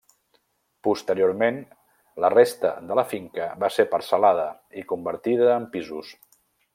Posteriorment la resta de la finca va ser parcel·lada i convertida en pisos.